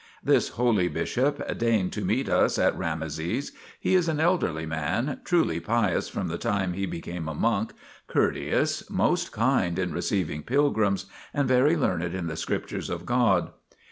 This holy bishop deigned to meet us at Rameses ; he is an elderly man, truly pious from the time he became a monk, courteous, most kind in receiving pilgrims, and very learned in the Scriptures of God.